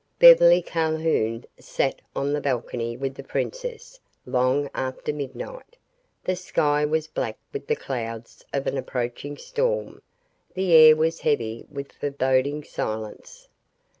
Beverly Calhoun sat on the balcony with the princess long after midnight. The sky was black with the clouds of an approaching storm; the air was heavy with foreboding silence.